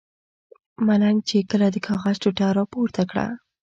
ملنګ چې کله د کاغذ ټوټه را پورته کړه.